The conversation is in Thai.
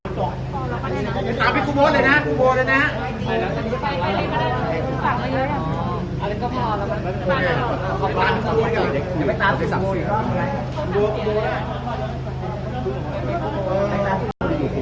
คุณโบสถ์เลยนะคุณโบสถ์เลยนะ